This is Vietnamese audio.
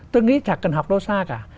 tôi nghĩ chẳng cần học đâu xa cả